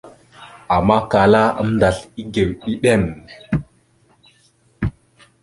Ama kala aməndasl egew ɗiɗem.